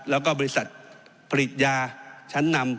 แล้วก็บริษัทผลิตยาชั้นนำ